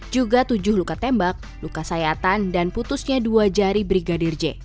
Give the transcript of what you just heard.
juga tujuh luka tembak luka sayatan dan putusnya dua jari brigadir j